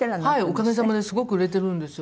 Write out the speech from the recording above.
おかげさまですごく売れてるんですよ。